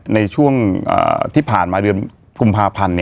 ในช่วงที่ผ่านมาเดือนกภัรร์ปัน